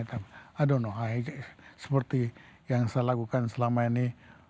i don t know i seperti yang saya lakukan selama ini